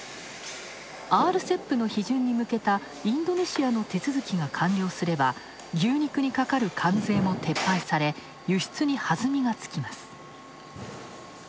ＲＣＥＰの批准に向けたインドネシアの手続きが完了すれば、牛肉にかかる関税も撤廃され、輸出に弾みがつきます。